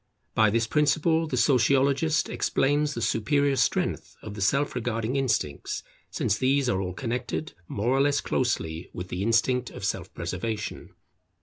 By this principle the Sociologist explains the superior strength of the self regarding instincts, since these are all connected more or less closely with the instinct of self preservation.